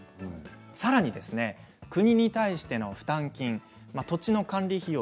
さらに国に対しての負担金土地の管理費用